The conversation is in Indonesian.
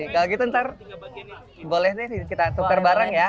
kalau gitu ntar boleh kita tukar bareng ya